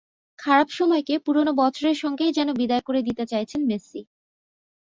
খারাপ সময়কে পুরোনো বছরের সঙ্গেই যেন বিদায় করে দিতে চাইছেন মেসি।